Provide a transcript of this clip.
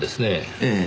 ええ。